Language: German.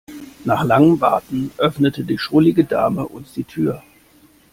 Nach langem Warten öffnete die schrullige Dame uns die Tür.